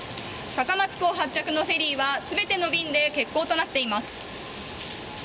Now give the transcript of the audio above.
高松港発着のフェリーは全ての便で欠航となっています。